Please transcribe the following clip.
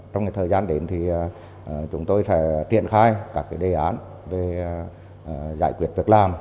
trong thời gian đến thì chúng tôi sẽ triển khai các đề án về giải quyết việc làm